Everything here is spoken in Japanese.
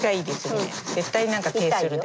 絶対何か手ぇするで。